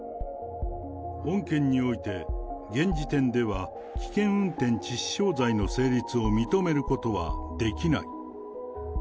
本件において、現時点では危険運転致死傷罪の成立を認めることはできない。